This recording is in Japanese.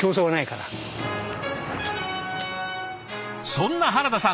そんな原田さん